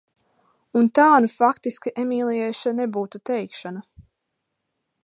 Un tā nu faktiski Emīlijai še nebūtu teikšana.